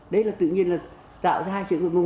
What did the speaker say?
đấy là tự nhiên là tạo ra hai trường đại học